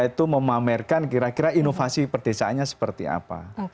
itu memamerkan kira kira inovasi perdesaannya seperti apa